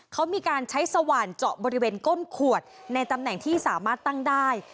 เขามีการใช้สว่านเจาะบริเวณก้นขวดในตำแหน่งที่สามารถตั้งได้